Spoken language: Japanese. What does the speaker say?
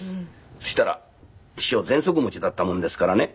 そしたら師匠ぜんそく持ちだったもんですからね。